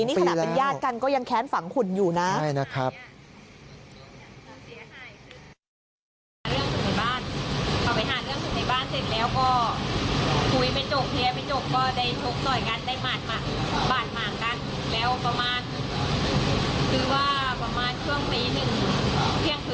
นี่ขนาดเป็นญาติกันก็ยังแค้นฝังขุนอยู่นะใช่นะครับสองปีแล้ว